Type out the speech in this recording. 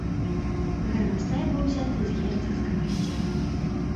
Гарнастай быў узяты з герцагскага сцяга.